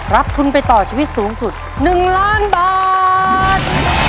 รับทุนไปต่อชีวิตสูงสุด๑ล้านบาท